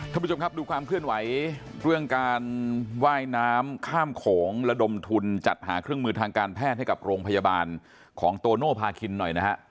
ท่านผู้ชมครับดูความเคลื่อนไหวเรื่องการว่ายน้ำข้ามโขงระดมทุนจัดหาเครื่องมือทางการแพทย์ให้กับโรงพยาบาลของโตโนภาคินหน่อยนะฮะ